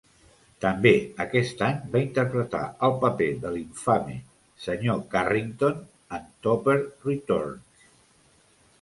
També aquest any va interpretar el paper del infame Senyor Carrington en "Topper Returns".